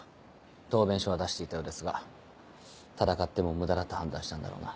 答弁書は出していたようですが戦っても無駄だと判断したんだろうな。